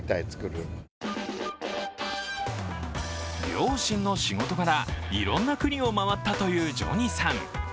両親の仕事柄、いろいろな国を回ったというジョニさん。